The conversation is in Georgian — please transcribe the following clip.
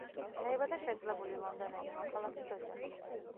დაიბადა შეძლებული ლონდონელი მოქალაქის ოჯახში.